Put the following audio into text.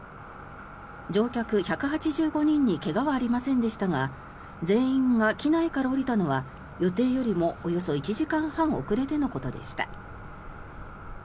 乗客１８５人に怪我はありませんでしたが全員が機内から降りたのは予定よりもおよそ１時間半遅れてのことでした。